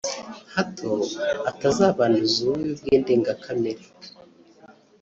hato atazabanduza ububi bwe ndengakamere